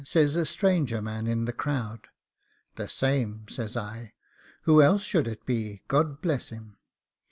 says a stranger man in the crowd. 'The same,' says I. 'Who else should it be? God bless him!